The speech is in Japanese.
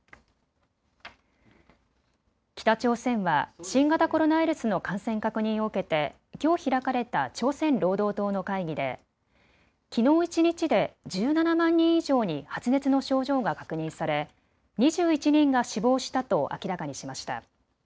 北朝鮮は新型コロナウイルスの感染確認を受けてきょう開かれた朝鮮労働党の会議できのう１日で１７万人以上に発熱の症状が確認され、２１人が死亡したと明らかにしました。